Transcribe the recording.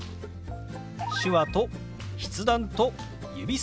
手話と筆談と指さし。